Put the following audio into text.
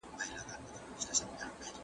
ساعت د وخت تېرېدو نښه ده.